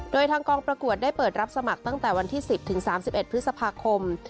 โดยทางกองประกวดได้เปิดรับสมัครตั้งแต่วันที่๑๐ถึง๓๑พฤษภาคม